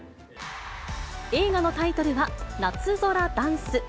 映画のタイトルは、夏空ダンス。